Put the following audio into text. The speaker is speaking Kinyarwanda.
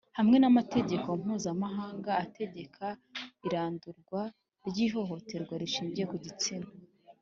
hamwe n’amategeko mpuzamahanga ategeka irandurwa ry’ihohoterwa rishingiye ku gitsina;